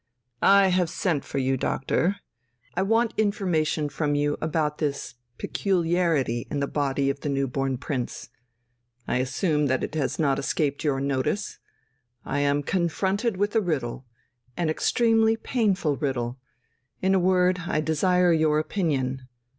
"I have sent for you, doctor.... I want information from you about this peculiarity in the body of the new born prince.... I assume that it has not escaped your notice.... I am confronted with a riddle ... an extremely painful riddle.... In a word, I desire your opinion."